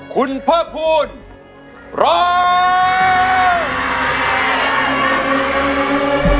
คุณพ่อพุทธร้อย